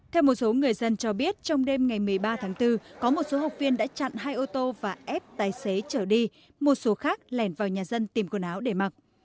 theo một số người dân cho biết trong đêm ngày một mươi ba tháng bốn có một số học viên đã chặn hai ô tô và ép tài xế trở đi một số khác lẻn vào nhà dân tìm quần áo để mặc